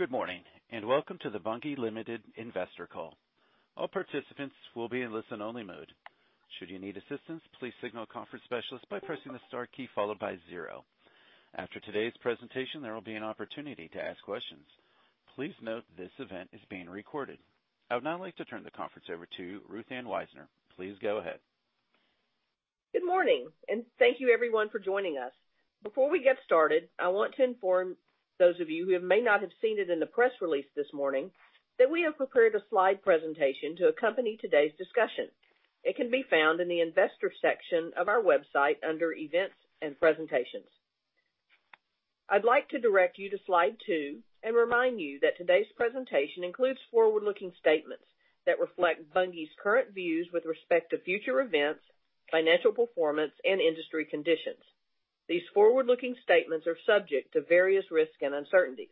Good morning. Welcome to the Bunge Limited Investor Call. All participants will be in listen-only mode. Should you need assistance, please signal a conference specialist by pressing the star key followed by zero. After today's presentation, there will be an opportunity to ask questions. Please note, this event is being recorded. I would now like to turn the conference over to Ruth Ann Wisner. Please go ahead. Good morning, and thank you everyone for joining us. Before we get started, I want to inform those of you who may not have seen it in the press release this morning, that we have prepared a slide presentation to accompany today's discussion. It can be found in the investor section of our website under Events and Presentations. I'd like to direct you to slide two and remind you that today's presentation includes forward-looking statements that reflect Bunge's current views with respect to future events, financial performance, and industry conditions. These forward-looking statements are subject to various risks and uncertainties.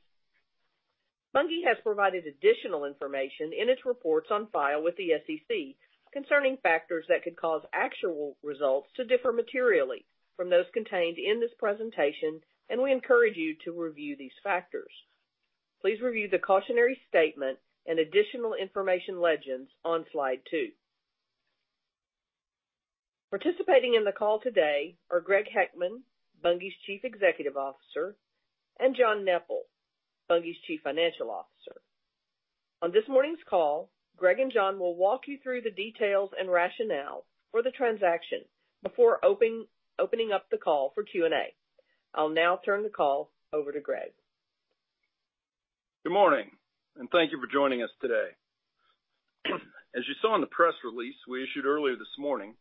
Bunge has provided additional information in its reports on file with the SEC concerning factors that could cause actual results to differ materially from those contained in this presentation, and we encourage you to review these factors. Please review the cautionary statement and additional information legends on slide two. Participating in the call today are Greg Heckman, Bunge's Chief Executive Officer, and John Neppl, Bunge's Chief Financial Officer. On this morning's call, Greg and John will walk you through the details and rationale for the transaction before opening up the call for Q and A. I'll now turn the call over to Greg. Good morning, thank you for joining us today. As you saw in the press release we issued earlier this morning,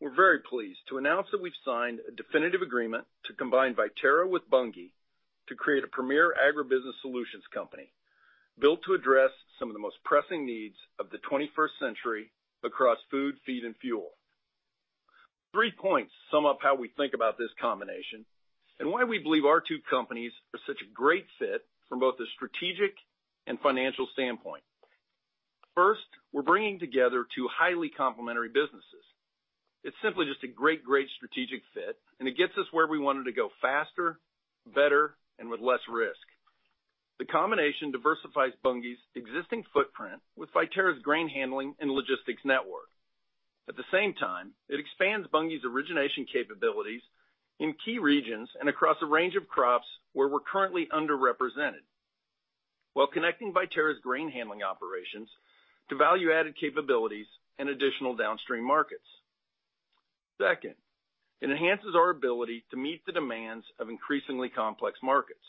we're very pleased to announce that we've signed a definitive agreement to combine Viterra with Bunge to create a premier agribusiness solutions company, built to address some of the most pressing needs of the 21st century across food, feed, and fuel. Three points sum up how we think about this combination and why we believe our two companies are such a great fit from both a strategic and financial standpoint. First, we're bringing together two highly complementary businesses. It's simply just a great strategic fit, and it gets us where we wanted to go faster, better, and with less risk. The combination diversifies Bunge's existing footprint with Viterra's grain handling and logistics network. At the same time, it expands Bunge's origination capabilities in key regions and across a range of crops where we're currently underrepresented, while connecting Viterra's grain handling operations to value-added capabilities and additional downstream markets. Second, it enhances our ability to meet the demands of increasingly complex markets.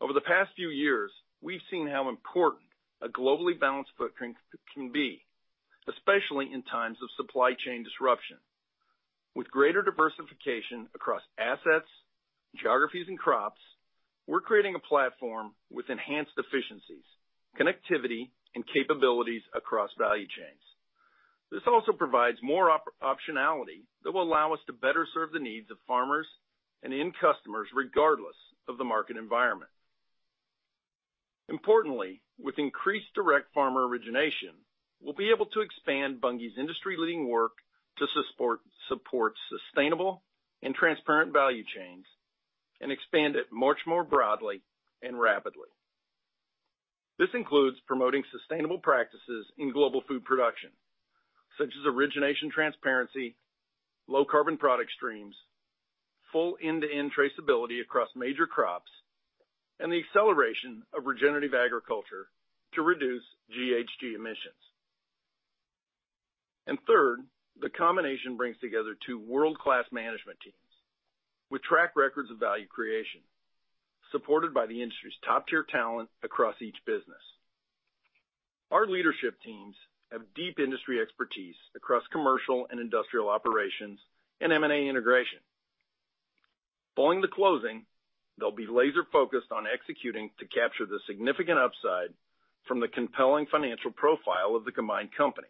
Over the past few years, we've seen how important a globally balanced footprint can be, especially in times of supply chain disruption. With greater diversification across assets, geographies, and crops, we're creating a platform with enhanced efficiencies, connectivity, and capabilities across value chains. This also provides more optionality that will allow us to better serve the needs of farmers and end customers, regardless of the market environment. Importantly, with increased direct farmer origination, we'll be able to expand Bunge's industry-leading work to support sustainable and transparent value chains and expand it much more broadly and rapidly. This includes promoting sustainable practices in global food production, such as origination transparency, low carbon product streams, full end-to-end traceability across major crops, and the acceleration of regenerative agriculture to reduce GHG emissions. Third, the combination brings together two world-class management teams with track records of value creation, supported by the industry's top-tier talent across each business. Our leadership teams have deep industry expertise across commercial and industrial operations and M&A integration. Following the closing, they'll be laser-focused on executing to capture the significant upside from the compelling financial profile of the combined company,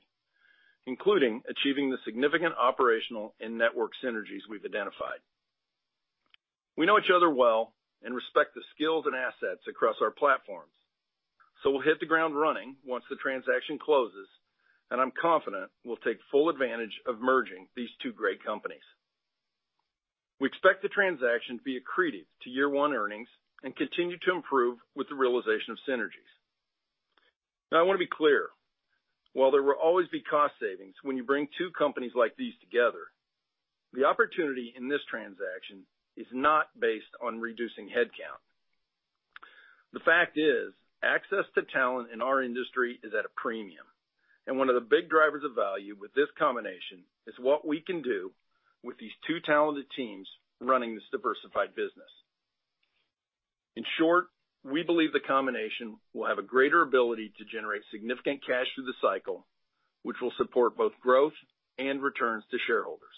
including achieving the significant operational and network synergies we've identified. We know each other well and respect the skills and assets across our platforms, so we'll hit the ground running once the transaction closes, and I'm confident we'll take full advantage of merging these two great companies. We expect the transaction to be accretive to year one earnings and continue to improve with the realization of synergies. Now, I want to be clear. While there will always be cost savings when you bring two companies like these together, the opportunity in this transaction is not based on reducing headcount. The fact is, access to talent in our industry is at a premium, and one of the big drivers of value with this combination is what we can do with these two talented teams running this diversified business. In short, we believe the combination will have a greater ability to generate significant cash through the cycle, which will support both growth and returns to shareholders.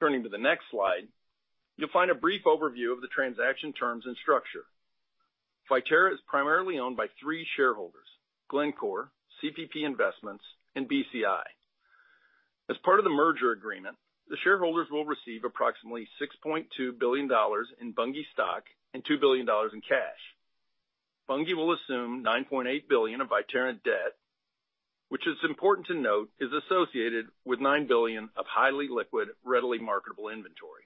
Turning to the next slide, you'll find a brief overview of the transaction terms and structure. Viterra is primarily owned by three shareholders, Glencore, CPP Investments, and BCI. As part of the merger agreement, the shareholders will receive approximately $6.2 billion in Bunge stock and $2 billion in cash. Bunge will assume $9.8 billion of Viterra debt, which is important to note, is associated with $9 billion of highly liquid, readily marketable inventory.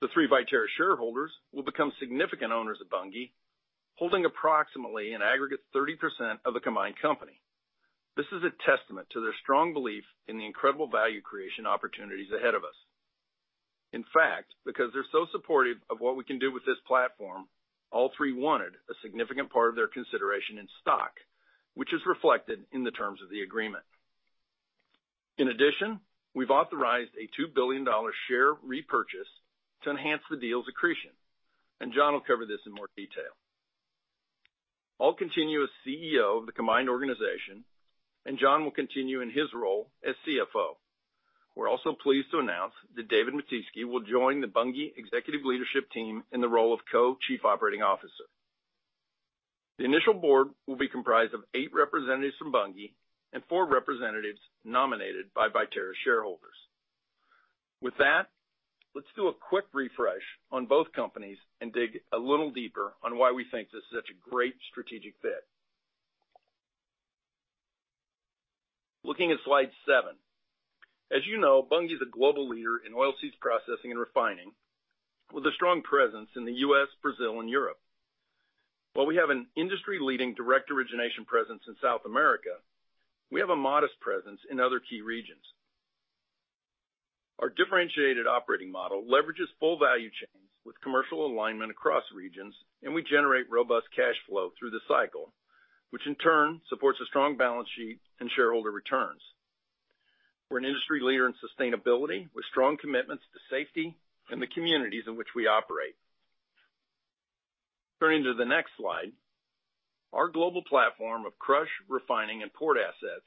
The three Viterra shareholders will become significant owners of Bunge, holding approximately an aggregate 30% of the combined company. This is a testament to their strong belief in the incredible value creation opportunities ahead of us. In fact, because they're so supportive of what we can do with this platform, all three wanted a significant part of their consideration in stock, which is reflected in the terms of the agreement. We've authorized a $2 billion share repurchase to enhance the deal's accretion, and John will cover this in more detail. I'll continue as CEO of the combined organization, and John will continue in his role as CFO. We're also pleased to announce that David Mattiske will join the Bunge executive leadership team in the role of Co-Chief Operating Officer. The initial board will be comprised of eight representatives from Bunge and four representatives nominated by Viterra shareholders. With that, let's do a quick refresh on both companies and dig a little deeper on why we think this is such a great strategic fit. Looking at slide seven. As you know, Bunge is a global leader in oilseeds processing and refining, with a strong presence in the U.S., Brazil and Europe. While we have an industry-leading direct origination presence in South America, we have a modest presence in other key regions. Our differentiated operating model leverages full value chains with commercial alignment across regions, we generate robust cash flow through the cycle, which in turn supports a strong balance sheet and shareholder returns. We're an industry leader in sustainability, with strong commitments to safety and the communities in which we operate. Turning to the next slide, our global platform of crush, refining, and port assets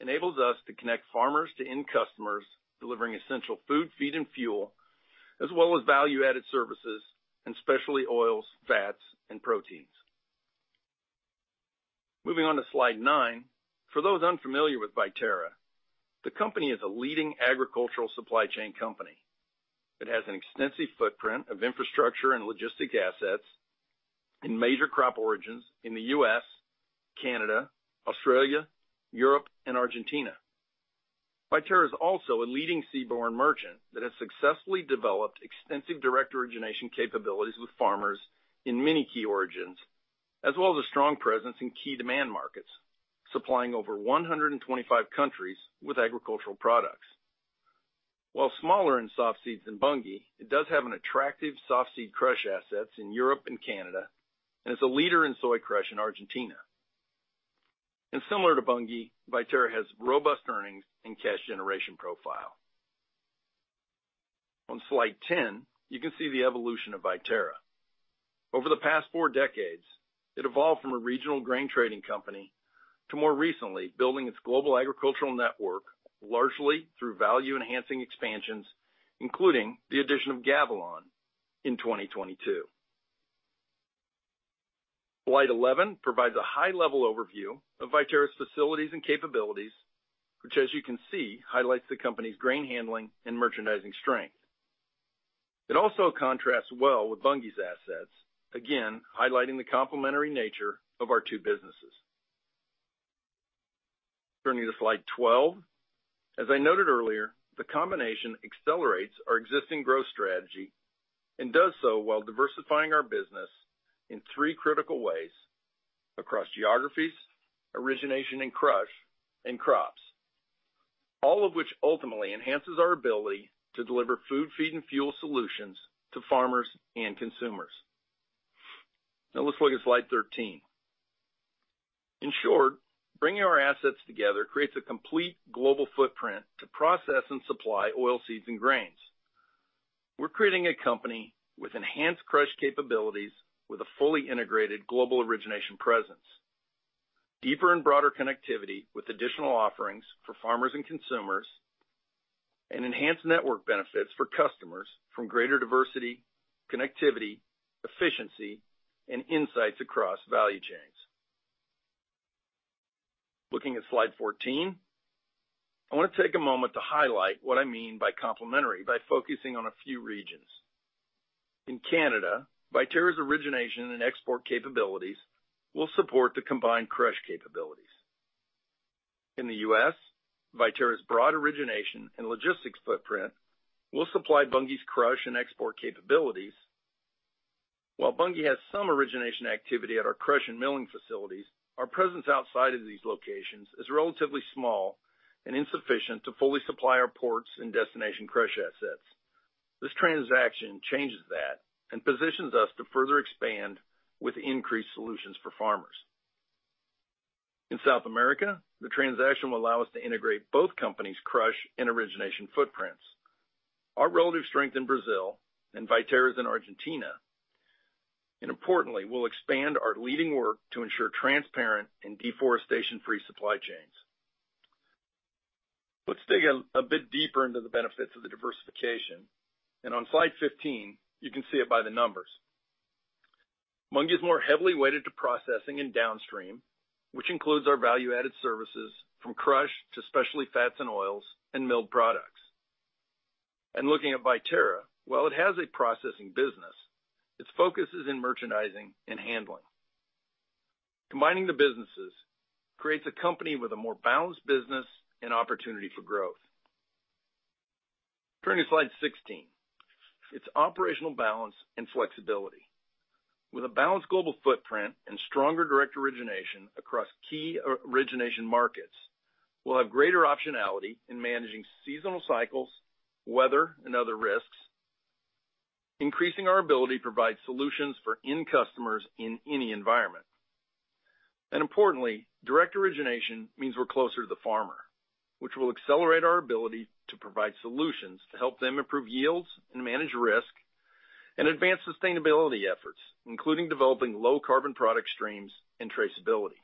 enables us to connect farmers to end customers, delivering essential food, feed, and fuel, as well as value-added services and specialty oils, fats, and proteins. Moving on to slide nine. For those unfamiliar with Viterra, the company is a leading agricultural supply chain company. It has an extensive footprint of infrastructure and logistic assets in major crop origins in the U.S., Canada, Australia, Europe, and Argentina. Viterra is also a leading seaborne merchant that has successfully developed extensive direct origination capabilities with farmers in many key origins, as well as a strong presence in key demand markets, supplying over 125 countries with agricultural products. While smaller in softseeds than Bunge, it does have an attractive softseed crush assets in Europe and Canada, and is a leader in soy crush in Argentina. Similar to Bunge, Viterra has robust earnings and cash generation profile. On slide 10, you can see the evolution of Viterra. Over the past four decades, it evolved from a regional grain trading company to more recently building its global agricultural network, largely through value-enhancing expansions, including the addition of Gavilon in 2022. Slide 11 provides a high-level overview of Viterra's facilities and capabilities, which, as you can see, highlights the company's grain handling and merchandising strength. It also contrasts well with Bunge's assets, again, highlighting the complementary nature of our two businesses. Turning to slide 12. As I noted earlier, the combination accelerates our existing growth strategy and does so while diversifying our business in three critical ways: across geographies, origination and crush, and crops, all of which ultimately enhances our ability to deliver food, feed, and fuel solutions to farmers and consumers. Now let's look at slide 13. In short, bringing our assets together creates a complete global footprint to process and supply oilseeds and grains. We're creating a company with enhanced crush capabilities, with a fully integrated global origination presence, deeper and broader connectivity with additional offerings for farmers and consumers, and enhanced network benefits for customers from greater diversity, connectivity, efficiency, and insights across value chains. Looking at slide 14, I want to take a moment to highlight what I mean by complementary, by focusing on a few regions. In Canada, Viterra's origination and export capabilities will support the combined crush capabilities. In the U.S., Viterra's broad origination and logistics footprint will supply Bunge's crush and export capabilities. While Bunge has some origination activity at our crush and milling facilities, our presence outside of these locations is relatively small and insufficient to fully supply our ports and destination crush assets. This transaction changes that and positions us to further expand with increased solutions for farmers. In South America, the transaction will allow us to integrate both companies' crush and origination footprints, our relative strength in Brazil and Viterra's in Argentina, and importantly, we'll expand our leading work to ensure transparent and deforestation-free supply chains. Let's dig a bit deeper into the benefits of the diversification. On slide 15, you can see it by the numbers. Bunge is more heavily weighted to processing and downstream, which includes our value-added services, from crush to specialty fats and oils and milled products. Looking at Viterra, while it has a processing business, its focus is in merchandising and handling. Combining the businesses creates a company with a more balanced business and opportunity for growth. Turning to slide 16, it's operational balance and flexibility. With a balanced global footprint and stronger direct origination across key origination markets, we'll have greater optionality in managing seasonal cycles, weather, and other risks, increasing our ability to provide solutions for end customers in any environment. Importantly, direct origination means we're closer to the farmer, which will accelerate our ability to provide solutions to help them improve yields and manage risk, and advance sustainability efforts, including developing low carbon product streams and traceability.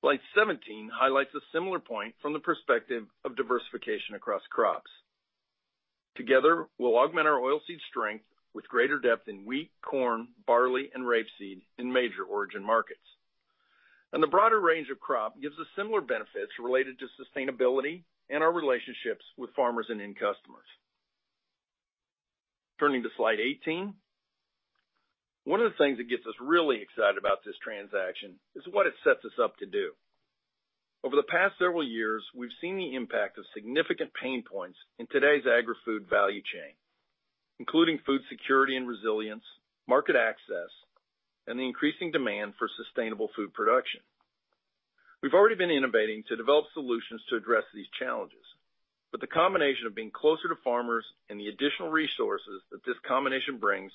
Slide 17 highlights a similar point from the perspective of diversification across crops. Together, we'll augment our oilseed strength with greater depth in wheat, corn, barley, and rapeseed in major origin markets. The broader range of crop gives us similar benefits related to sustainability and our relationships with farmers and end customers. Turning to slide 18, one of the things that gets us really excited about this transaction is what it sets us up to do. Over the past several years, we've seen the impact of significant pain points in today's agri-food value chain, including food security and resilience, market access, and the increasing demand for sustainable food production. We've already been innovating to develop solutions to address these challenges, the combination of being closer to farmers and the additional resources that this combination brings,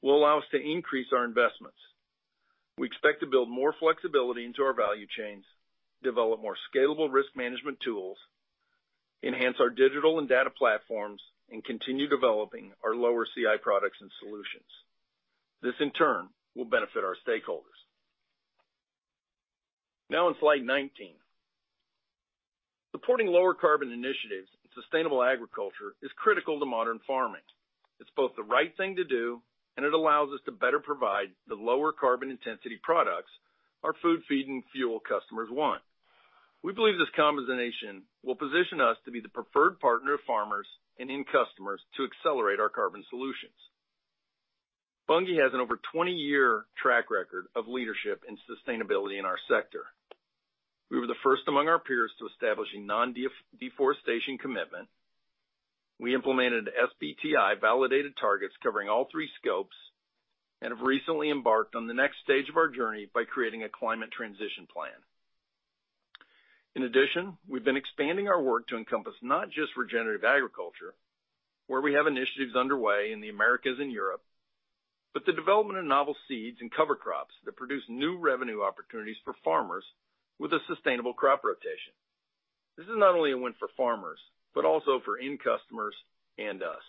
will allow us to increase our investments. We expect to build more flexibility into our value chains, develop more scalable risk management tools, enhance our digital and data platforms, and continue developing our lower CI products and solutions. This, in turn, will benefit our stakeholders. On slide 19. Supporting lower carbon initiatives and sustainable agriculture is critical to modern farming. It's both the right thing to do, and it allows us to better provide the lower carbon intensity products our food, feed, and fuel customers want. We believe this combination will position us to be the preferred partner of farmers and end customers to accelerate our carbon solutions. Bunge has an over 20-year track record of leadership and sustainability in our sector. We were the first among our peers to establish a non-deforestation commitment. We implemented SBTi validated targets covering all three scopes, and have recently embarked on the next stage of our journey by creating a climate transition plan. In addition, we've been expanding our work to encompass not just regenerative agriculture, where we have initiatives underway in the Americas and Europe, but the development of novel seeds and cover crops that produce new revenue opportunities for farmers with a sustainable crop rotation. This is not only a win for farmers, but also for end customers and us.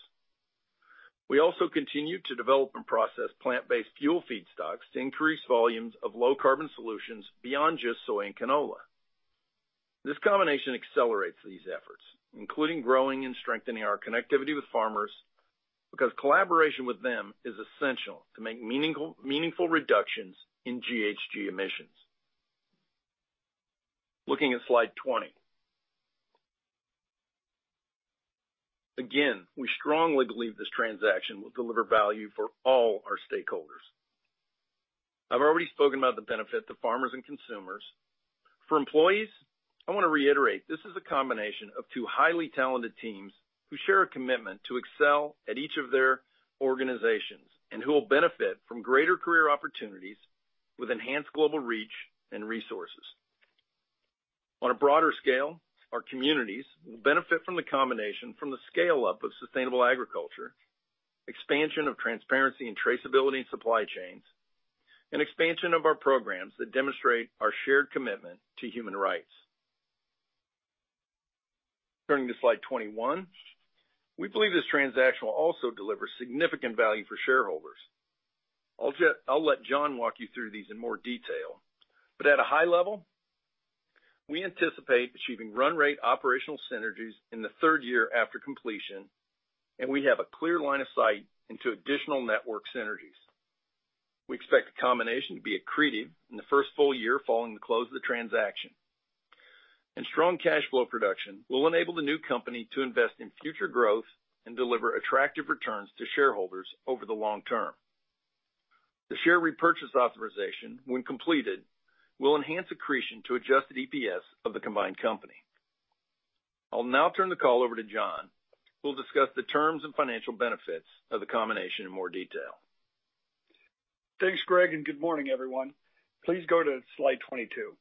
We also continue to develop and process plant-based fuel feedstocks to increase volumes of low carbon solutions beyond just soy and canola. This combination accelerates these efforts, including growing and strengthening our connectivity with farmers, because collaboration with them is essential to make meaningful reductions in GHG emissions. Looking at slide 20. We strongly believe this transaction will deliver value for all our stakeholders. I've already spoken about the benefit to farmers and consumers. For employees, I want to reiterate, this is a combination of two highly talented teams, who share a commitment to excel at each of their organizations, and who will benefit from greater career opportunities with enhanced global reach and resources. On a broader scale, our communities will benefit from the combination from the scale-up of sustainable agriculture, expansion of transparency and traceability in supply chains, and expansion of our programs that demonstrate our shared commitment to human rights. Turning to slide 21, we believe this transaction will also deliver significant value for shareholders. I'll let John walk you through these in more detail. At a high level, we anticipate achieving run rate operational synergies in the 3rd year after completion, and we have a clear line of sight into additional network synergies. We expect the combination to be accretive in the 1st full year following the close of the transaction. Strong cash flow production will enable the new company to invest in future growth and deliver attractive returns to shareholders over the long term. The share repurchase authorization, when completed, will enhance accretion to Adjusted EPS of the combined company. I'll now turn the call over to John, who will discuss the terms and financial benefits of the combination in more detail. Thanks, Greg. Good morning, everyone. Please go to slide 22.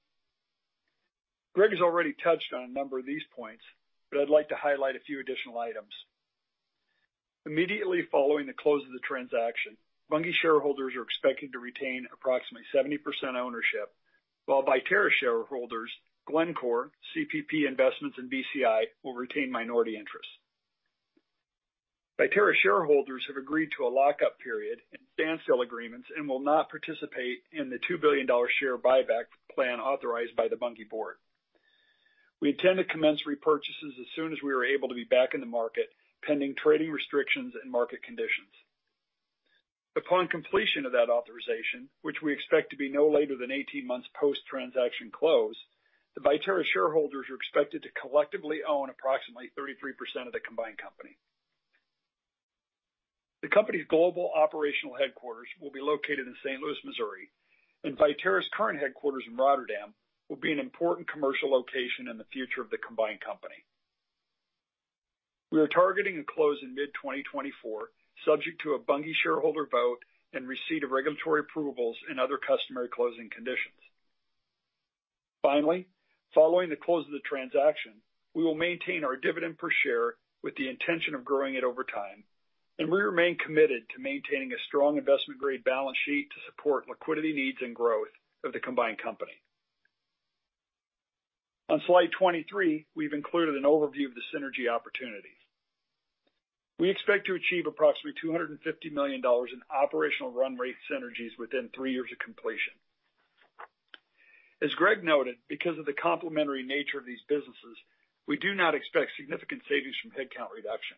Greg has already touched on a number of these points. I'd like to highlight a few additional items. Immediately following the close of the transaction, Bunge shareholders are expecting to retain approximately 70% ownership, while Viterra shareholders, Glencore, CPP Investments, and BCI, will retain minority interests. Viterra shareholders have agreed to a lock-up period and standstill agreements and will not participate in the $2 billion share buyback plan authorized by the Bunge board. We intend to commence repurchases as soon as we are able to be back in the market, pending trading restrictions and market conditions. Upon completion of that authorization, which we expect to be no later than 18 months post-transaction close, the Viterra shareholders are expected to collectively own approximately 33% of the combined company. Viterra's current headquarters in Rotterdam will be an important commercial location in the future of the combined company. We are targeting a close in mid-2024, subject to a Bunge shareholder vote and receipt of regulatory approvals and other customary closing conditions. Following the close of the transaction, we will maintain our dividend per share with the intention of growing it over time. We remain committed to maintaining a strong investment-grade balance sheet to support liquidity needs and growth of the combined company. On slide 23, we've included an overview of the synergy opportunities. We expect to achieve approximately $250 million in operational run rate synergies within three years of completion. As Greg noted, because of the complementary nature of these businesses, we do not expect significant savings from headcount reduction.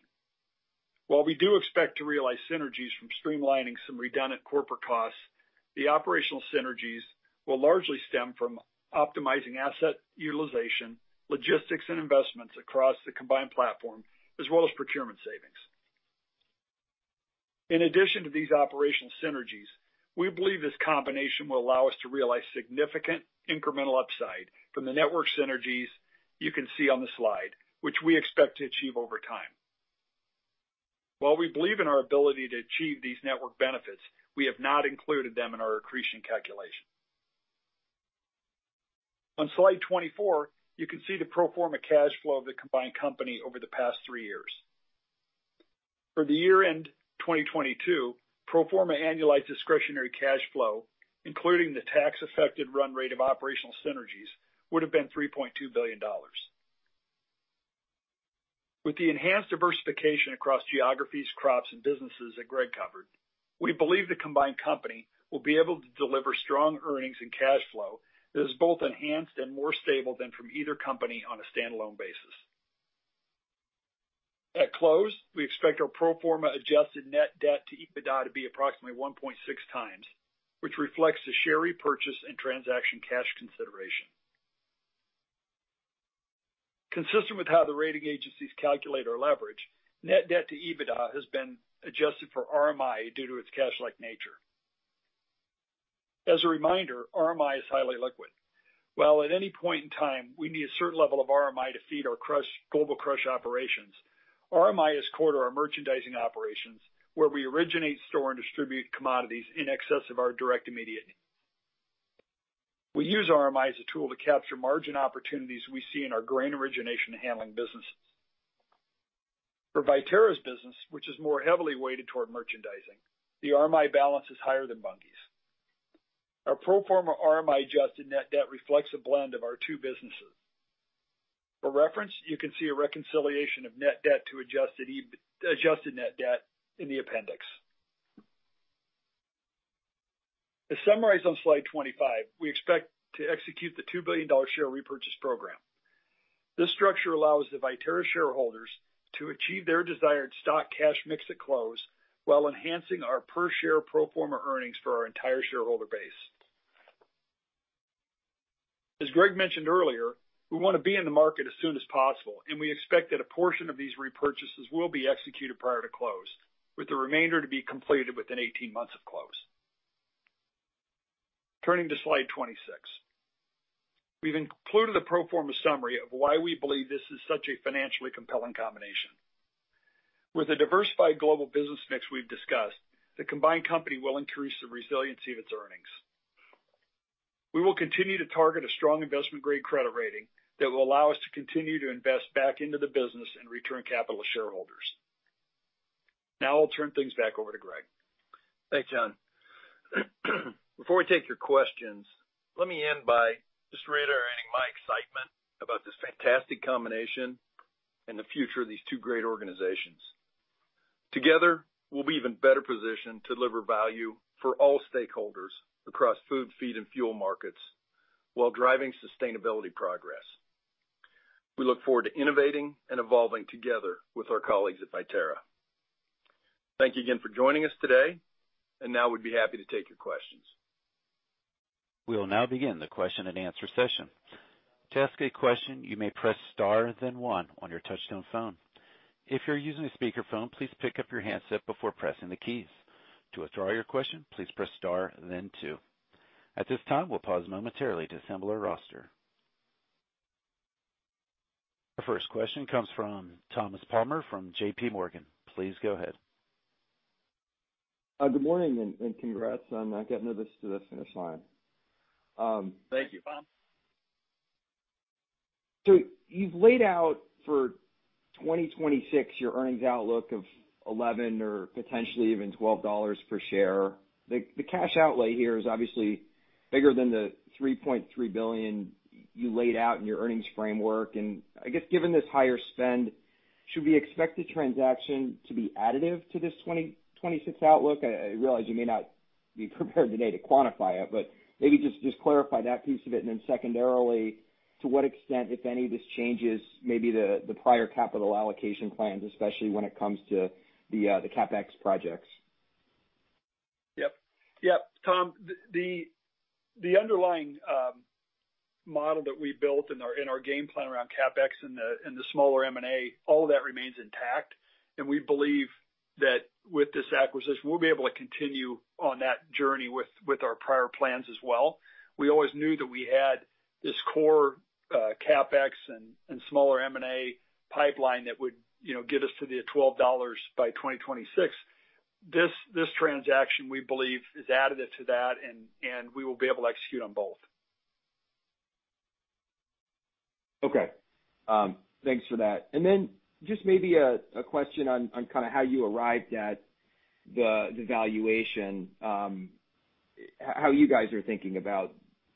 While we do expect to realize synergies from streamlining some redundant corporate costs, the operational synergies will largely stem from optimizing asset utilization, logistics, and investments across the combined platform, as well as procurement savings. In addition to these operational synergies, we believe this combination will allow us to realize significant incremental upside from the network synergies you can see on the slide, which we expect to achieve over time. While we believe in our ability to achieve these network benefits, we have not included them in our accretion calculation. On slide 24, you can see the pro forma cash flow of the combined company over the past three years. For the year-end 2022, pro forma annualized discretionary cash flow, including the tax-affected run rate of operational synergies, would have been $3.2 billion. With the enhanced diversification across geographies, crops, and businesses that Greg covered, we believe the combined company will be able to deliver strong earnings and cash flow that is both enhanced and more stable than from either company on a standalone basis. At close, we expect our pro forma adjusted net debt to EBITDA to be approximately 1.6x, which reflects the share repurchase and transaction cash consideration. Consistent with how the rating agencies calculate our leverage, net debt to EBITDA has been adjusted for RMI due to its cash-like nature. As a reminder, RMI is highly liquid. While at any point in time, we need a certain level of RMI to feed our crush, global crush operations, RMI is core to our merchandising operations, where we originate, store, and distribute commodities in excess of our direct immediate needs. We use RMI as a tool to capture margin opportunities we see in our grain origination and handling businesses. For Viterra's business, which is more heavily weighted toward merchandising, the RMI balance is higher than Bunge's. Our pro forma RMI adjusted net debt reflects a blend of our two businesses. For reference, you can see a reconciliation of net debt to adjusted net debt in the appendix. To summarize on slide 25, we expect to execute the $2 billion share repurchase program. This structure allows the Viterra shareholders to achieve their desired stock cash mix at close, while enhancing our per share pro forma earnings for our entire shareholder base. As Greg mentioned earlier, we want to be in the market as soon as possible. We expect that a portion of these repurchases will be executed prior to close, with the remainder to be completed within 18 months of close. Turning to slide 26. We've included a pro forma summary of why we believe this is such a financially compelling combination. With the diversified global business mix we've discussed, the combined company will increase the resiliency of its earnings. We will continue to target a strong investment-grade credit rating that will allow us to continue to invest back into the business and return capital to shareholders. I'll turn things back over to Greg. Thanks, John. Before we take your questions, let me end by just reiterating my excitement about this fantastic combination and the future of these two great organizations. Together, we'll be even better positioned to deliver value for all stakeholders across food, feed, and fuel markets while driving sustainability progress. We look forward to innovating and evolving together with our colleagues at Viterra. Thank you again for joining us today. Now we'd be happy to take your questions. We will now begin the question-and-answer session. To ask a question, you may press star, then one on your touchtone phone. If you're using a speakerphone, please pick up your handset before pressing the keys. To withdraw your question, please press star then two. At this time, we'll pause momentarily to assemble our roster. Our first question comes from Thomas Palmer from JPMorgan. Please go ahead. Good morning, and congrats on getting this to the finish line. Thank you, Thomas. You've laid out for 2026, your earnings outlook of $11 or potentially even $12 per share. The cash outlay here is obviously bigger than the $3.3 billion you laid out in your earnings framework. I guess, given this higher spend, should we expect the transaction to be additive to this 2026 outlook? I realize you may not be prepared today to quantify it, but maybe just clarify that piece of it. Secondarily, to what extent, if any, this changes maybe the prior capital allocation plans, especially when it comes to the CapEx projects? Yep, Thomas, the underlying model that we built in our game plan around CapEx and the smaller M&A, all that remains intact. We believe that with this acquisition, we'll be able to continue on that journey with our prior plans as well. We always knew that we had this core CapEx and smaller M&A pipeline that would, you know, get us to the $12 by 2026. This transaction, we believe, is additive to that, and we will be able to execute on both. Okay. Thanks for that. Just maybe a question on kind of how you arrived at the valuation, how you guys are thinking about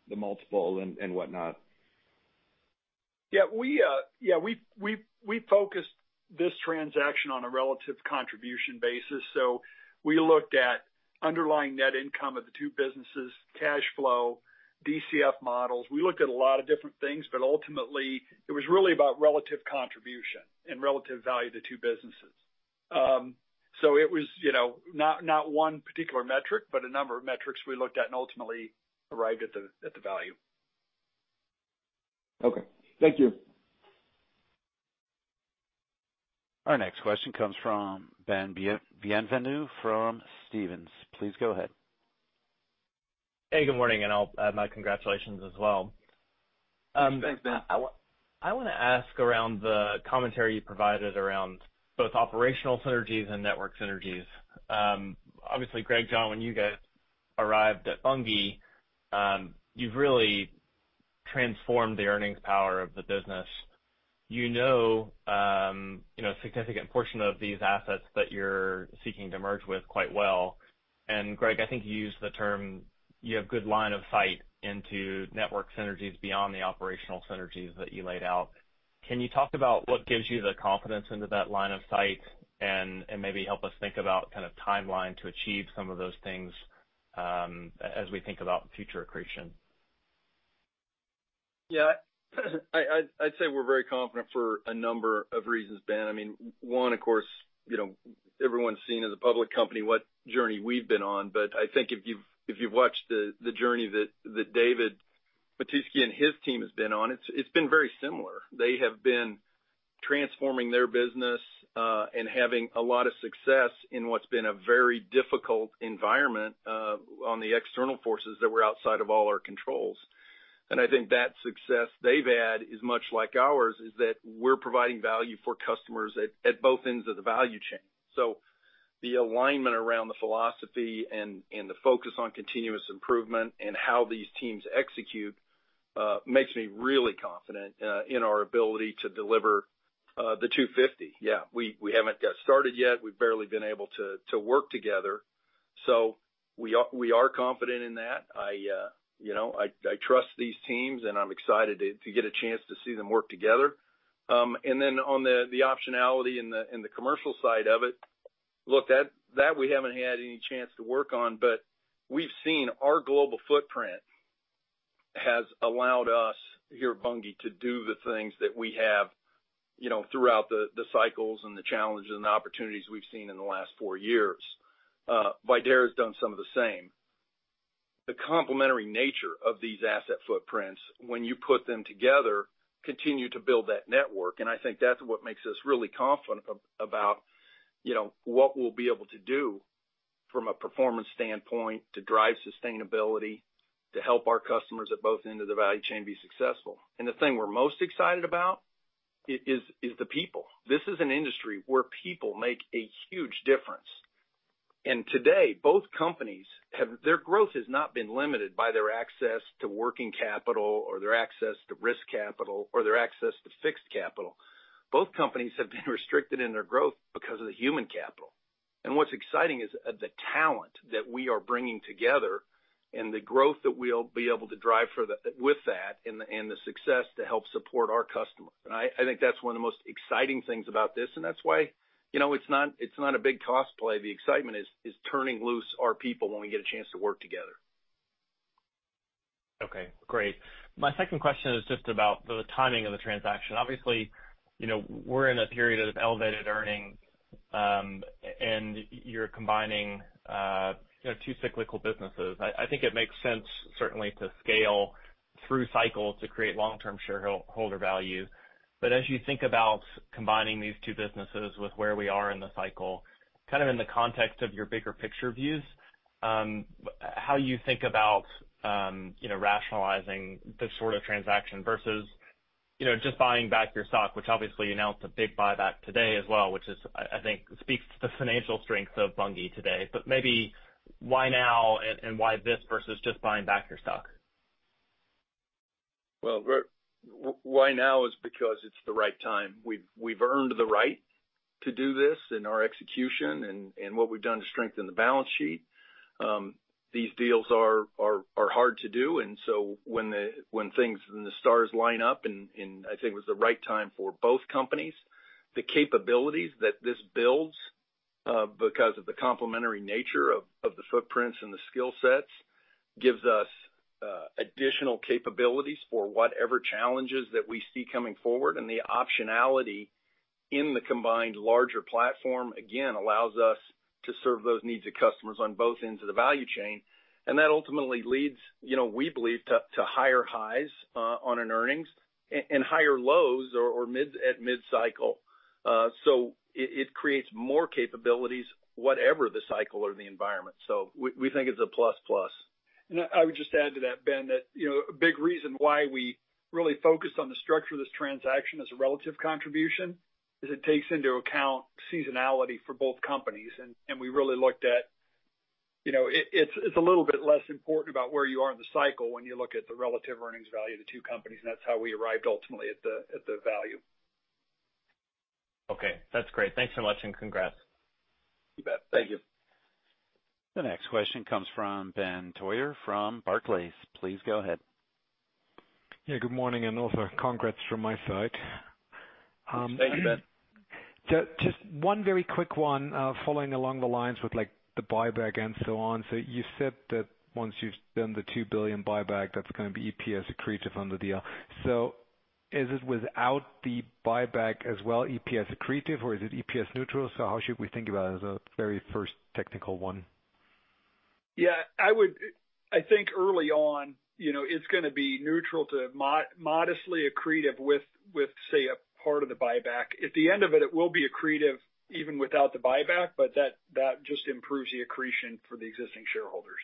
the multiple and whatnot? We focused this transaction on a relative contribution basis. We looked at underlying net income of the two businesses, cash flow, DCF models. We looked at a lot of different things, but ultimately, it was really about relative contribution and relative value to two businesses. It was, you know, not one particular metric, but a number of metrics we looked at and ultimately arrived at the value. Okay, thank you. Our next question comes from Ben Bienvenu from Stephens Inc. Please go ahead. Hey, good morning, and I'll add my congratulations as well. Thanks, Ben. I want to ask around the commentary you provided around both operational synergies and network synergies. Obviously, Greg, John, when you guys arrived at Bunge, you've really transformed the earnings power of the business. You know, you know, a significant portion of these assets that you're seeking to merge with quite well, and Greg, I think you used the term, you have good line of sight into network synergies beyond the operational synergies that you laid out. Can you talk about what gives you the confidence into that line of sight, and maybe help us think about kind of timeline to achieve some of those things, as we think about future accretion? Yeah, I'd say we're very confident for a number of reasons, Ben. I mean, one, of course, you know, everyone's seen as a public company what journey we've been on. I think if you've watched the journey that David Mattiske and his team has been on, it's been very similar. They have been transforming their business and having a lot of success in what's been a very difficult environment on the external forces that were outside of all our controls. I think that success they've had is much like ours, is that we're providing value for customers at both ends of the value chain. The alignment around the philosophy and the focus on continuous improvement and how these teams execute makes me really confident in our ability to deliver the 250. Yeah, we haven't got started yet. We've barely been able to work together, so we are confident in that. I, you know, I trust these teams, and I'm excited to get a chance to see them work together. On the optionality and the commercial side of it, look, that we haven't had any chance to work on, but we've seen our global footprint has allowed us here at Bunge to do the things that we have, you know, throughout the cycles and the challenges and opportunities we've seen in the last four years. Viterra has done some of the same. The complementary nature of these asset footprints, when you put them together, continue to build that network, and I think that's what makes us really confident about, you know, what we'll be able to do from a performance standpoint to drive sustainability, to help our customers at both ends of the value chain be successful. The thing we're most excited about is the people. This is an industry where people make a huge difference. Today, both companies have. Their growth has not been limited by their access to working capital or their access to risk capital or their access to fixed capital. Both companies have been restricted in their growth because of the human capital. What's exciting is the talent that we are bringing together and the growth that we'll be able to drive with that and the, and the success to help support our customers. I think that's one of the most exciting things about this, and that's why, you know, it's not, it's not a big cost play. The excitement is turning loose our people when we get a chance to work together. Okay, great. My second question is just about the timing of the transaction. Obviously, you know, we're in a period of elevated earnings, and you're combining, you know, two cyclical businesses. I think it makes sense, certainly, to scale through cycles to create long-term shareholder value. As you think about combining these two businesses with where we are in the cycle, kind of in the context of your bigger picture views, how you think about, you know, rationalizing this sort of transaction versus, you know, just buying back your stock, which obviously you announced a big buyback today as well, which is, I think, speaks to the financial strength of Bunge today. Maybe why now and why this versus just buying back your stock? Why now is because it's the right time. We've earned the right to do this in our execution and what we've done to strengthen the balance sheet. These deals are hard to do, when things and the stars line up, and I think it was the right time for both companies. The capabilities that this builds, because of the complementary nature of the footprints and the skill sets, gives us additional capabilities for whatever challenges that we see coming forward. The optionality in the combined larger platform, again, allows us to serve those needs of customers on both ends of the value chain. That ultimately leads, you know, we believe, to higher highs, on an earnings and higher lows or mid, at mid-cycle. It creates more capabilities, whatever the cycle or the environment. We think it's a plus plus. I would just add to that, Ben, that, you know, a big reason why we really focused on the structure of this transaction as a relative contribution, is it takes into account seasonality for both companies. We really looked at, you know, it's a little bit less important about where you are in the cycle when you look at the relative earnings value of the two companies, and that's how we arrived ultimately at the value. Okay, that's great. Thanks so much, and congrats. You bet. Thank you. The next question comes from Benjamin Theurer from Barclays. Please go ahead. Yeah, good morning, and also congrats from my side. Thanks, Ben. Just one very quick one, following along the lines with, like, the buyback and so on. You said that once you've done the $2 billion buyback, that's gonna be EPS accretive on the deal. Is it without the buyback as well, EPS accretive, or is it EPS neutral? How should we think about it as a very first technical one? I think early on, you know, it's gonna be neutral to modestly accretive with, say, a part of the buyback. At the end of it will be accretive even without the buyback, but that just improves the accretion for the existing shareholders.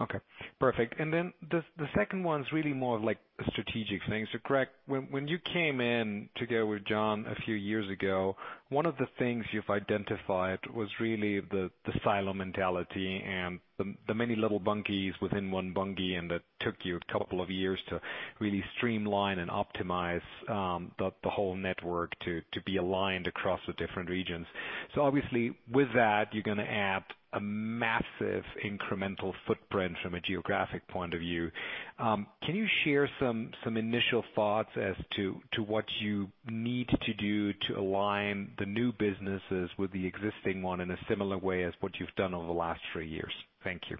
Okay, perfect. Then the second one's really more of like a strategic thing. Greg, when you came in together with John a few years ago, one of the things you've identified was really the silo mentality and the many little Bunge within one Bunge, and it took you a couple of years to really streamline and optimize the whole network to be aligned across the different regions. Obviously, with that, you're gonna add a massive incremental footprint from a geographic point of view. Can you share some initial thoughts as to what you need to do to align the new businesses with the existing one in a similar way as what you've done over the last three years? Thank you.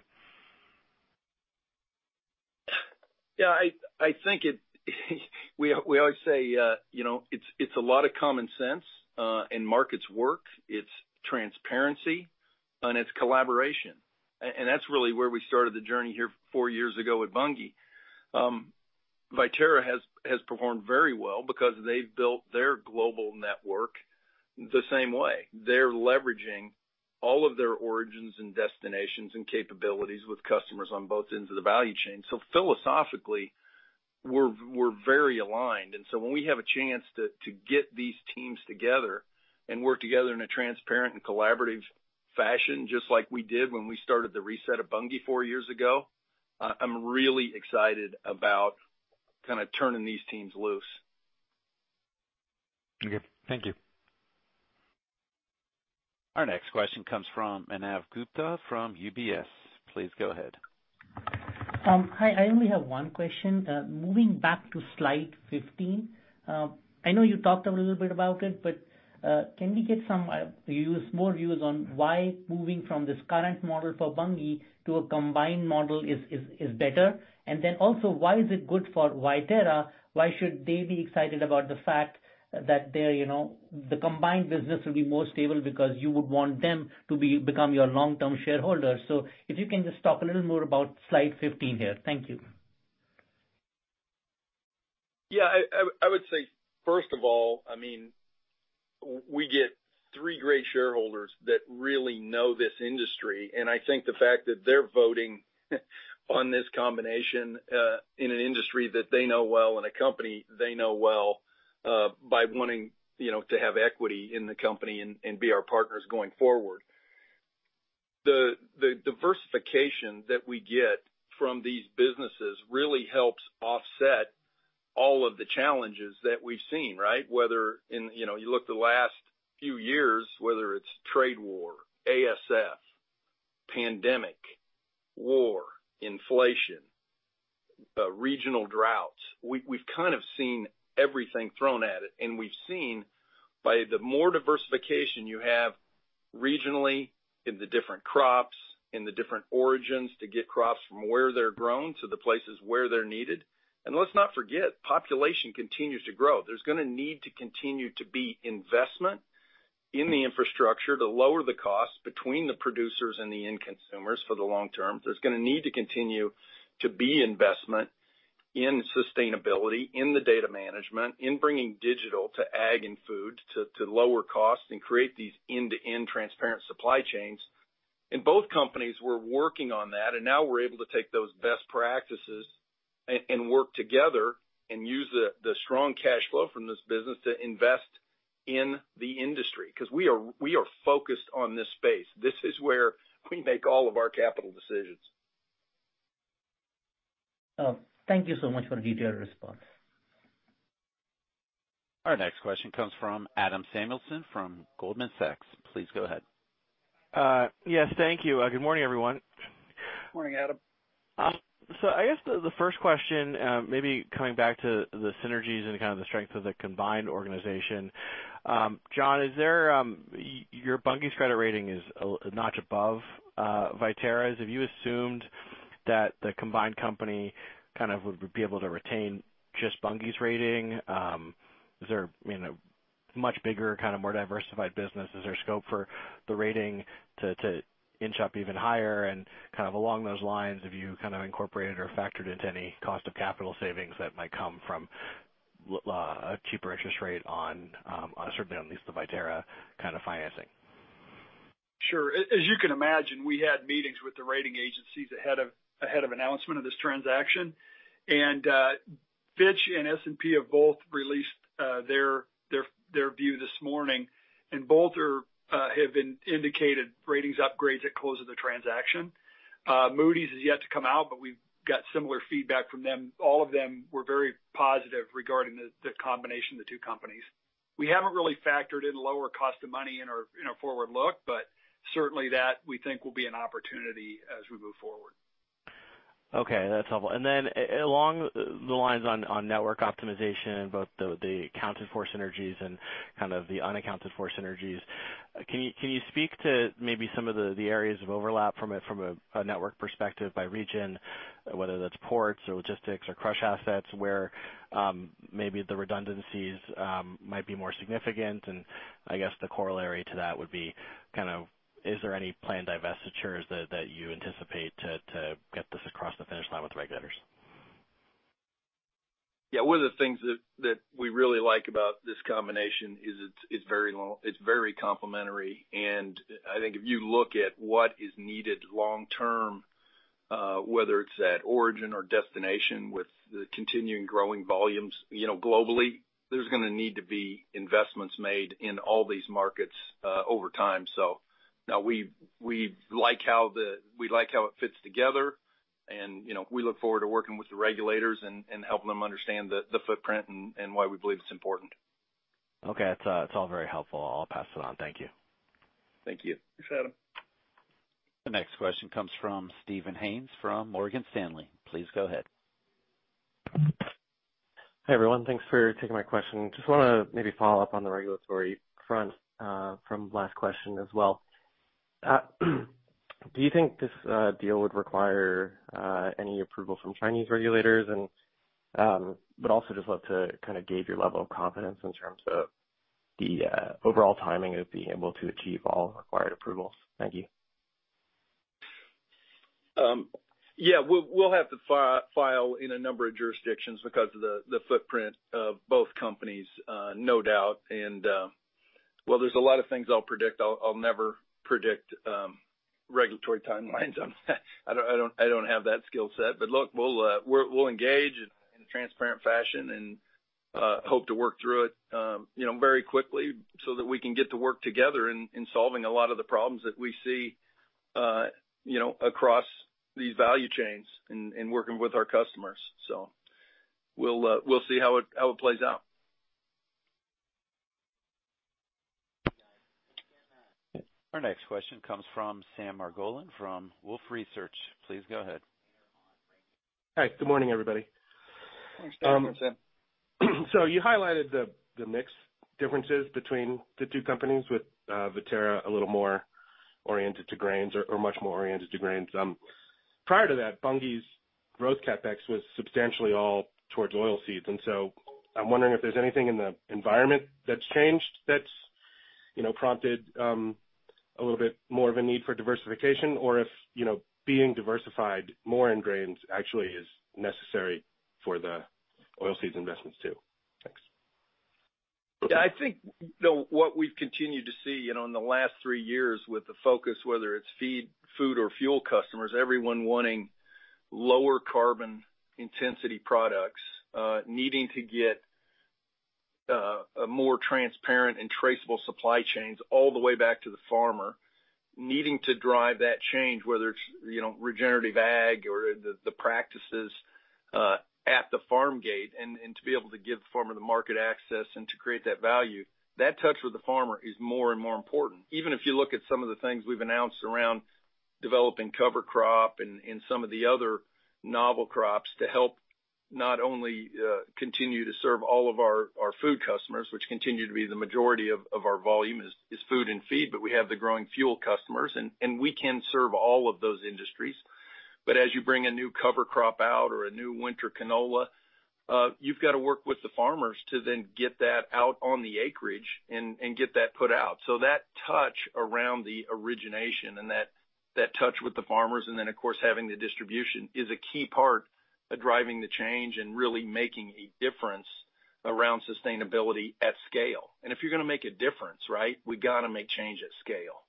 Yeah, I think it, we always say, you know, it's a lot of common sense, and markets work, it's transparency, and it's collaboration. That's really where we started the journey here four years ago at Bunge. Viterra has performed very well because they've built their global network the same way. They're leveraging all of their origins and destinations and capabilities with customers on both ends of the value chain. Philosophically, we're very aligned. When we have a chance to get these teams together and work together in a transparent and collaborative fashion, just like we did when we started the reset of Bunge four years ago, I'm really excited about kind of turning these teams loose. Okay. Thank you. Our next question comes from Manav Gupta from UBS. Please go ahead. Hi, I only have one question. Moving back to slide 15, I know you talked a little bit about it, but can we get some views, more views on why moving from this current model for Bunge to a combined model is better? Why is it good for Viterra? Why should they be excited about the fact that they're, you know, the combined business will be more stable because you would want them to become your long-term shareholder? If you can just talk a little more about slide 15 here. Thank you. Yeah, I would say, first of all, I mean, we get three great shareholders that really know this industry, and I think the fact that they're voting on this combination, in an industry that they know well, and a company they know well, by wanting, you know, to have equity in the company and be our partners going forward. The diversification that we get from these businesses really helps offset all of the challenges that we've seen, right? Whether in, you know, you look the last few years, whether it's trade war, ASF, pandemic, war, inflation, regional droughts, we've kind of seen everything thrown at it. We've seen by the more diversification you have regionally in the different crops, in the different origins, to get crops from where they're grown to the places where they're needed. Let's not forget, population continues to grow. There's gonna need to continue to be investment in the infrastructure to lower the cost between the producers and the end consumers for the long term. There's gonna need to continue to be investment in sustainability, in the data management, in bringing digital to ag and food, to lower costs and create these end-to-end transparent supply chains. In both companies, we're working on that, and now we're able to take those best practices and work together and use the strong cash flow from this business to invest in the industry. We are focused on this space. This is where we make all of our capital decisions. Oh, thank you so much for the detailed response. Our next question comes from Adam Samuelson from Goldman Sachs. Please go ahead. Yes, thank you. Good morning, everyone. Morning, Adam. I guess the first question, maybe coming back to the synergies and kind of the strength of the combined organization. John, is there your Bunge's credit rating is a notch above Viterra's? Have you assumed that the combined company kind of would be able to retain just Bunge's rating? Is there, you know, much bigger kind of more diversified business, is there scope for the rating to inch up even higher? Kind of along those lines, have you kind of incorporated or factored into any cost of capital savings that might come from a cheaper interest rate on certainly on at least the Viterra kind of financing? Sure. As you can imagine, we had meetings with the rating agencies ahead of announcement of this transaction. Fitch and S&P have both released their view this morning, and both have been indicated ratings upgrades at close of the transaction. Moody's is yet to come out. We've got similar feedback from them. All of them were very positive regarding the combination of the two companies. We haven't really factored in lower cost of money in our forward look. Certainly that we think will be an opportunity as we move forward. Okay, that's helpful. Along the lines on network optimization, both the accounted for synergies and kind of the unaccounted for synergies, can you speak to maybe some of the areas of overlap from a network perspective by region, whether that's ports or logistics or crush assets, where maybe the redundancies might be more significant? I guess the corollary to that would be kind of is there any planned divestitures that you anticipate to get this across the finish line with the regulators? Yeah, one of the things that we really like about this combination is it's very long. It's very complementary, and I think if you look at what is needed long term, whether it's at origin or destination, with the continuing growing volumes, you know, globally, there's gonna need to be investments made in all these markets, over time. Now we like how we like how it fits together, and, you know, we look forward to working with the regulators and helping them understand the footprint and why we believe it's important. Okay. That's, that's all very helpful. I'll pass it on. Thank you. Thank you. Thanks, Adam. The next question comes from Steven Haynes from Morgan Stanley. Please go ahead. Hi, everyone. Thanks for taking my question. Just wanna maybe follow up on the regulatory front, from last question as well. Do you think this deal would require any approval from Chinese regulators? Also just love to kind of gauge your level of confidence in terms of the overall timing of being able to achieve all required approvals. Thank you. Yeah, we'll have to file in a number of jurisdictions because of the footprint of both companies, no doubt. Well, there's a lot of things I'll predict. I'll never predict regulatory timelines on that. I don't have that skill set. Look, we'll engage in a transparent fashion and hope to work through it, you know, very quickly so that we can get to work together in solving a lot of the problems that we see, you know, across these value chains in working with our customers. We'll see how it, how it plays out. Our next question comes from Sam Margolin, from Wolfe Research. Please go ahead. Hi, good morning, everybody. Good morning, Sam. You highlighted the mix differences between the two companies with Viterra a little more oriented to grains or much more oriented to grains. Prior to that, Bunge's growth CapEx was substantially all towards oilseeds, I'm wondering if there's anything in the environment that's changed that's, you know, prompted a little bit more of a need for diversification or if, you know, being diversified more in grains actually is necessary for the oilseeds investments, too? Thanks. Yeah, I think the, what we've continued to see, you know, in the last three years with the focus, whether it's feed, food or fuel customers, everyone wanting lower carbon intensity products, needing to get a more transparent and traceable supply chains all the way back to the farmer, needing to drive that change, whether it's, you know, regenerative ag or the practices at the farm gate, and to be able to give the farmer the market access and to create that value, that touch with the farmer is more and more important. Even if you look at some of the things we've announced around developing cover crop and some of the other novel crops to help not only continue to serve all of our food customers, which continue to be the majority of our volume is food and feed, but we have the growing fuel customers, and we can serve all of those industries. As you bring a new cover crop out or a new winter canola, you've got to work with the farmers to then get that out on the acreage and get that put out. That touch around the origination and that touch with the farmers, and then, of course, having the distribution, is a key part of driving the change and really making a difference around sustainability at scale. If you're going to make a difference, right, we've got to make change at scale.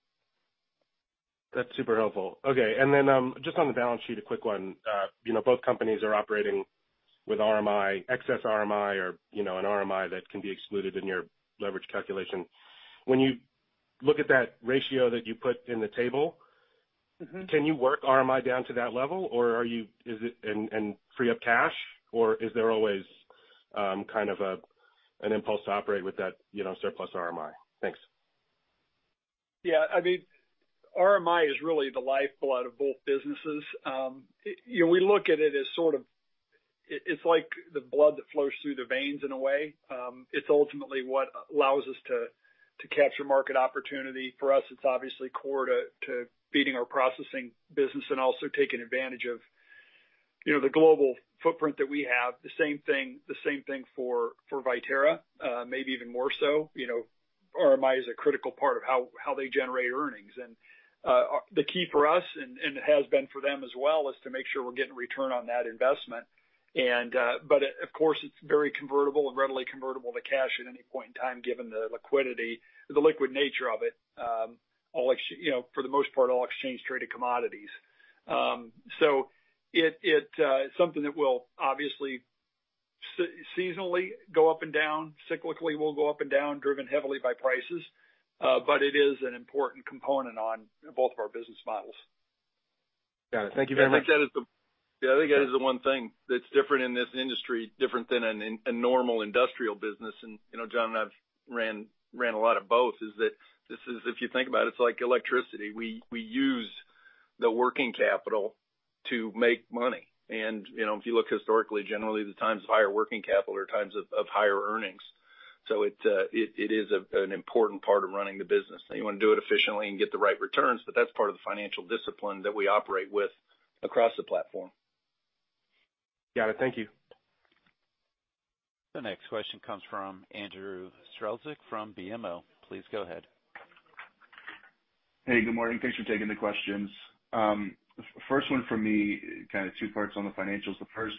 That's super helpful. Okay. Then, just on the balance sheet, a quick one. you know, both companies are operating with RMI, excess RMI or, you know, an RMI that can be excluded in your leverage calculation. When you look at that ratio that you put in the table- Mm-hmm. Can you work RMI down to that level, and free up cash, or is there always, kind of a, an impulse to operate with that, you know, surplus RMI? Thanks. Yeah, I mean, you know, RMI is really the lifeblood of both businesses. you know, we look at it as it's like the blood that flows through the veins in a way. It's ultimately what allows us to capture market opportunity. For us, it's obviously core to feeding our processing business and also taking advantage of, you know, the global footprint that we have. The same thing for Viterra, maybe even more so. You know, RMI is a critical part of how they generate earnings. The key for us, and it has been for them as well, is to make sure we're getting return on that investment. Of course, it's very convertible and readily convertible to cash at any point in time, given the liquidity, the liquid nature of it. All, you know, for the most part, all exchange-traded commodities. Something that will obviously seasonally go up and down, cyclically will go up and down, driven heavily by prices, but it is an important component on both of our business models. Got it. Thank you very much. Yeah, I think that is the one thing that's different in this industry, different than in a normal industrial business. You know, John and I've ran a lot of both, is that this is if you think about it's like electricity. We use the working capital to make money, and, you know, if you look historically, generally, the times of higher working capital are times of higher earnings. It is an important part of running the business, and you wanna do it efficiently and get the right returns, but that's part of the financial discipline that we operate with across the platform. Got it. Thank you. The next question comes from Andrew Strelzik, from BMO. Please go ahead. Hey, good morning. Thanks for taking the questions. First one from me, kind of two parts on the financials. The first,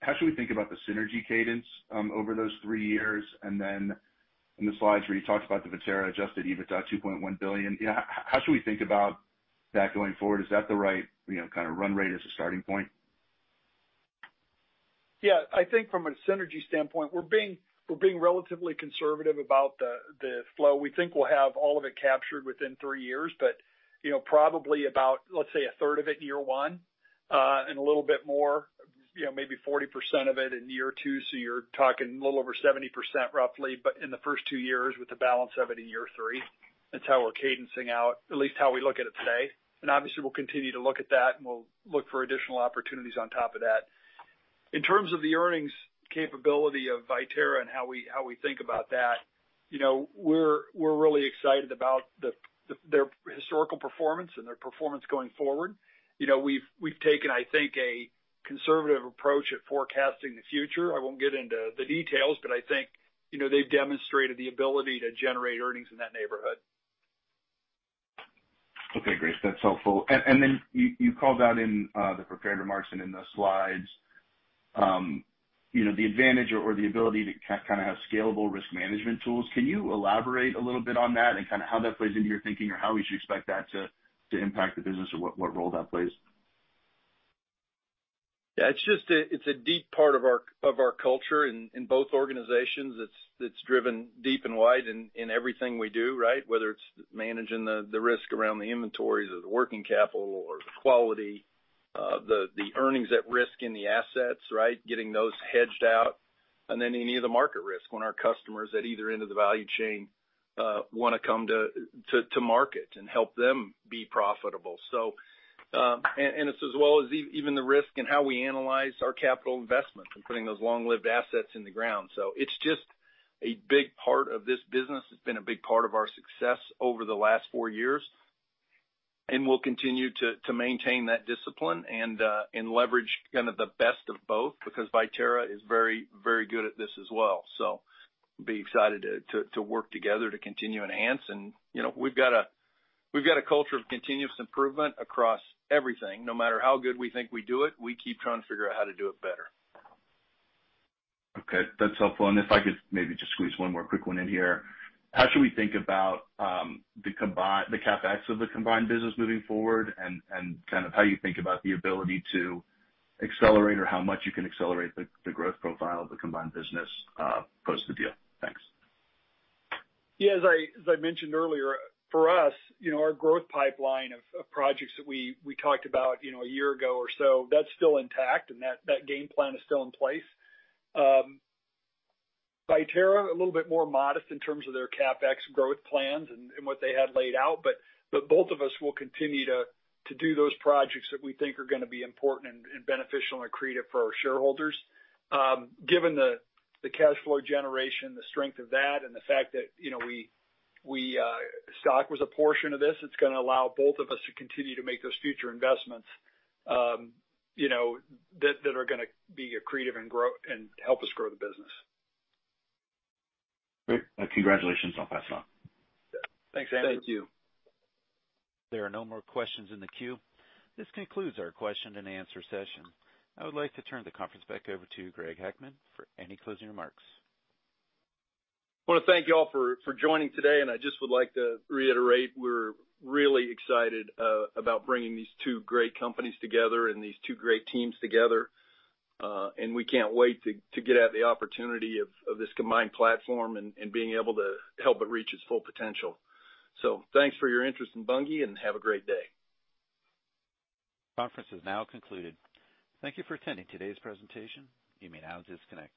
how should we think about the synergy cadence over those three years? In the slides where you talked about the Viterra Adjusted EBITDA, $2.1 billion, you know, how should we think about that going forward? Is that the right, you know, kind of run rate as a starting point? Yeah, I think from a synergy standpoint, we're being relatively conservative about the flow. We think we'll have all of it captured within three years, but, you know, probably about, let's say, a third of it in year one, and a little bit more, you know, maybe 40% of it in year two, so you're talking a little over 70% roughly, but in the first two years with the balance of it in year three. That's how we're cadencing out, at least how we look at it today. Obviously, we'll continue to look at that, and we'll look for additional opportunities on top of that. In terms of the earnings capability of Viterra and how we think about that, you know, we're really excited about their historical performance and their performance going forward. You know, we've taken, I think, a conservative approach at forecasting the future. I won't get into the details, but I think, you know, they've demonstrated the ability to generate earnings in that neighborhood. Okay, great. That's helpful. Then you called out in the prepared remarks and in the slides, you know, the advantage or the ability to kind of have scalable risk management tools. Can you elaborate a little bit on that and kind of how that plays into your thinking, or how we should expect that to impact the business or what role that plays? Yeah, it's just a, it's a deep part of our, of our culture in both organizations. It's, it's driven deep and wide in everything we do, right? Whether it's managing the risk around the inventories or the working capital or the quality, the earnings at risk in the assets, right? Getting those hedged out, and then any of the market risk when our customers at either end of the value chain, wanna come to market and help them be profitable. And it's as well as even the risk in how we analyze our capital investments and putting those long-lived assets in the ground. It's just a big part of this business. It's been a big part of our success over the last four years, and we'll continue to maintain that discipline and leverage kind of the best of both, because Viterra is very, very good at this as well. Be excited to work together to continue enhance and, you know, we've got a culture of continuous improvement across everything. No matter how good we think we do it, we keep trying to figure out how to do it better. Okay, that's helpful. If I could maybe just squeeze one more quick one in here. How should we think about the CapEx of the combined business moving forward, and kind of how you think about the ability to accelerate or how much you can accelerate the growth profile of the combined business post the deal? Thanks. As I mentioned earlier, for us, you know, our growth pipeline of projects that we talked about, you know, a year ago or so, that's still intact and that game plan is still in place. Viterra, a little bit more modest in terms of their CapEx growth plans and what they had laid out, but both of us will continue to do those projects that we think are gonna be important and beneficial and accretive for our shareholders. Given the cash flow generation, the strength of that, and the fact that, you know, we stock was a portion of this, it's gonna allow both of us to continue to make those future investments, you know, that are gonna be accretive and help us grow the business. Great. Congratulations. I'll pass it on. Thanks, Andrew. Thank you. There are no more questions in the queue. This concludes our question-and-answer session. I would like to turn the conference back over to Greg Heckman for any closing remarks. I wanna thank you all for joining today. I just would like to reiterate, we're really excited about bringing these two great companies together and these two great teams together. We can't wait to get at the opportunity of this combined platform and being able to help it reach its full potential. Thanks for your interest in Bunge, and have a great day. Conference is now concluded. Thank you for attending today's presentation. You may now disconnect.